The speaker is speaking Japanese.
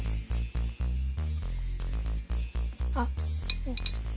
あっうん。